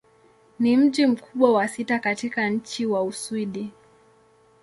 Ni mji mkubwa wa sita katika nchi wa Uswidi.